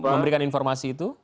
memberikan informasi itu